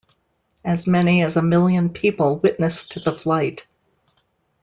As many as a million people witnessed the flight.